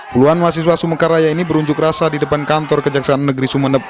puluhan mahasiswa sumekaraya ini berunjuk rasa di depan kantor kejaksaan negeri sumeneb